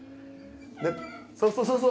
ひゃっそうそうそうそう